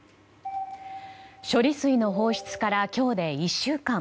処理水の放出から今日で１週間。